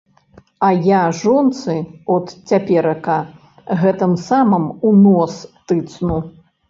А я жонцы от цяперака гэтым самым у нос тыцну.